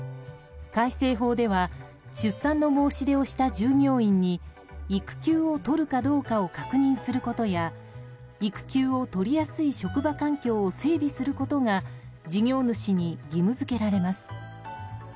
改正法では出産の申し出をした従業員に育休を取るかどうかを確認することや育休を取りやすい職場環境を整備することが事業主に義務付けられます。